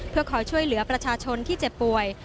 เพื่อขอช่วยเหลือประชาชนที่เจ็บป่วย